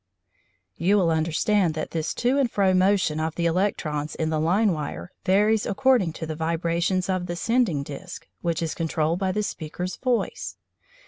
You will understand that this to and fro motion of the electrons in the line wire varies according to the vibrations of the sending disc, which is controlled by the speaker's voice.